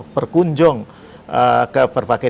berkunjung ke berbagai